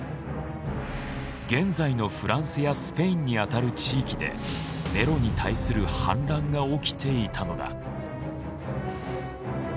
現在のフランスやスペインにあたる地域でネロに対する反乱が起きていたのだ。